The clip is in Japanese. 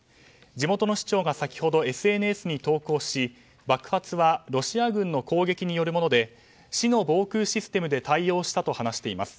地元の市長が先ほどＳＮＳに投稿し爆発はロシア軍の攻撃によるもので市の防空システムで対応したと伝えています。